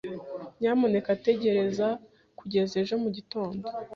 Nyamuneka tegereza kugeza ejo mu gitondo.